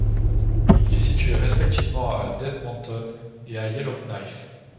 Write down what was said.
Il est situé respectivement à d'Edmonton et à de Yellowknife.